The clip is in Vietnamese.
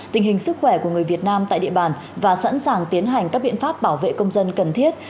tình hình sức khỏe của người việt nam tại địa bàn và sẵn sàng tiến hành các biện pháp bảo vệ công dân cần thiết